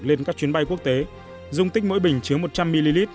lên các chuyến bay quốc tế dung tích mỗi bình chứa một trăm linh ml